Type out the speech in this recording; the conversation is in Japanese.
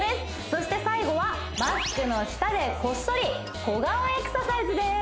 そして最後はマスクの下でこっそり小顔エクササイズです